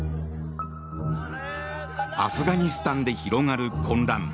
アフガニスタンで広がる混乱。